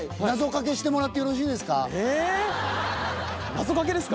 謎かけですか？